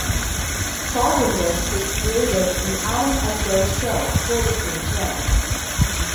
Following this they created "The Adam and Joe Show" for the same channel.